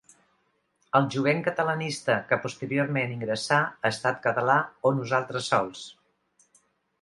El jovent catalanista que posteriorment ingressà a Estat Català o Nosaltres Sols!